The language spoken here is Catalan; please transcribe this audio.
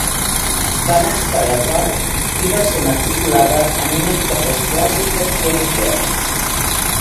Van estar d'acord, i va ser matriculada en unes poques classes d'actuació.